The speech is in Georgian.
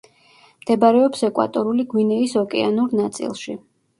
მდებარეობს ეკვატორული გვინეის ოკეანურ ნაწილში.